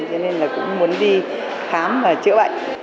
cho nên là cũng muốn đi khám và chữa bệnh